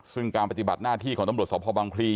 ซึ่งการปฏิบัติหน้าที่ของตำรวจสพบังพลี